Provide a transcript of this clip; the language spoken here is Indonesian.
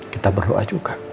kita berdoa juga